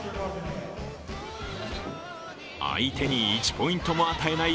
相手に１ポイントも与えない